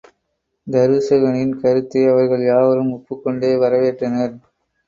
தருசகனின் கருத்தை அவர்கள் யாவரும் ஒப்புக் கொண்டு வரவேற்றனர்.